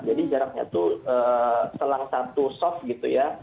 jadi jaraknya tuh selang satu soft gitu ya